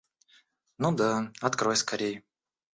Ну да, открой скорей!